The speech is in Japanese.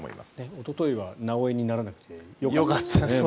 おとといは「なおエ」にならなくてよかったですね。